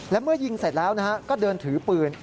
และเมื่อยิงเสร็จแล้วก็เดินถือปืน